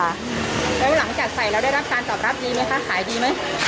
แล้วหลังจากใส่แล้วได้รับการตอบรับดีไหมคะขายดีไหม